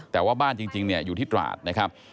แต่ว่าบ้านจริงอยู่ที่ตราดนะครับ